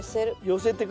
寄せて。